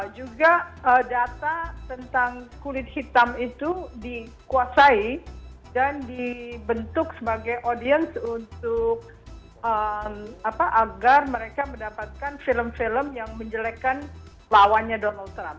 juga data tentang kulit hitam itu dikuasai dan dibentuk sebagai audience untuk agar mereka mendapatkan film film yang menjelekan lawannya donald trump